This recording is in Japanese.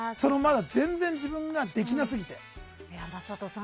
全然自分ができなすぎて。